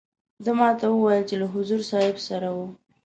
ده ما ته وویل چې له حضور صاحب سره وو.